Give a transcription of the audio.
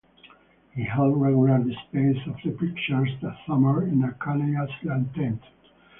He held regular displays of the pictures that summer in a Coney Island tent.